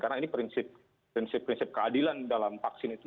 karena ini prinsip prinsip keadilan dalam vaksin itu